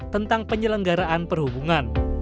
tentang penyelenggaraan perhubungan